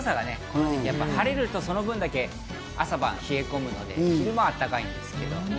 晴れると、その分、朝晩は冷え込むので、昼間はあったかいんですけど。